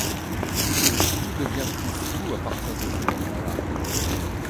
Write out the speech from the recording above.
Tout devient plus flou à partir de ce moment-là.